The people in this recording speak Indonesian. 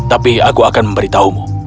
tapi aku akan memberitahumu